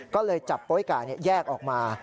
ก็เลยจับโป๊ยไก่แยกออกมา